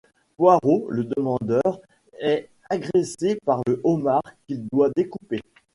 Poireau, le demandeur, est agressé par le homard qu'il doit découper.